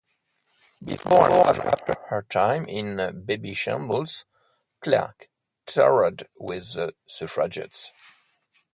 Before and after her time in Babyshambles, Clarke toured with the Suffrajets.